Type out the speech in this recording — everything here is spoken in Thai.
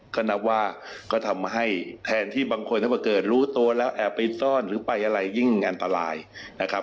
ก็นับว่าก็ทำให้แทนที่บางคนถ้าเกิดรู้ตัวแล้วแอบไปซ่อนหรือไปอะไรยิ่งอันตรายนะครับ